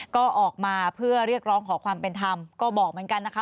ก็ออกมาเพื่อเรียกร้องขอความเป็นธรรมก็บอกเหมือนกันนะคะ